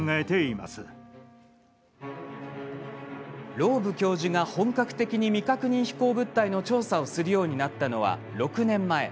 ローブ教授が本格的に未確認飛行物体の調査をするようになったのは６年前。